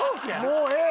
もうええ！